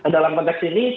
dalam konteks ini